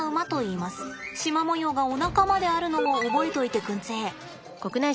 シマ模様がおなかまであるのを覚えといてくんつぇ。